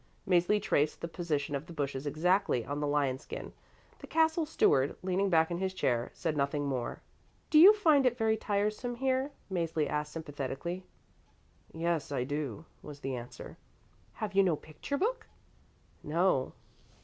Mäzli traced the position of the bushes exactly on the lionskin. The castle steward, leaning back in his chair, said nothing more. "Do you find it very tiresome here?" Mäzli asked sympathetically. "Yes, I do," was the answer. "Have you no picture book" "No."